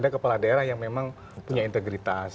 ada kepala daerah yang memang punya integritas